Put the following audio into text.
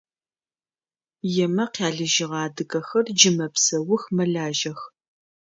Емэ къялыжьыгъэ адыгэхэр джы мэпсэух, мэлажьэх…